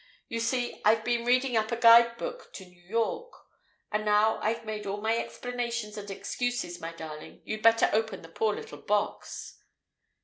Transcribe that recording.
You see, I've been reading up a guide book to New York! And now I've made all my explanations and excuses, my darling, you'd better open the poor little box."